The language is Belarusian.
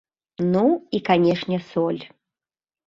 Ну, і, канешне, соль.